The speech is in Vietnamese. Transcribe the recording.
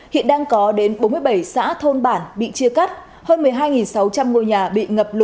hiện đang có đến bốn mươi bảy xã thôn bản bị chia cắt hơn một mươi hai sáu trăm linh ngôi nhà bị ngập lụt hàng ngàn người đang chờ ứng cứu